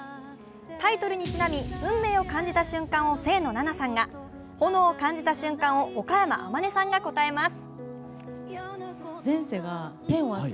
タイトルにちなみ運命を感じた瞬間を清野菜名さんが炎を感じた瞬間を岡山天音さんが答えます。